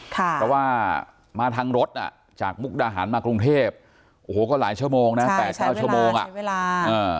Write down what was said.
เพราะว่ามาทางรถอ่ะจากมุกดาหารมากรุงเทพโอ้โหก็หลายชั่วโมงนะใช้เวลาใช้เวลา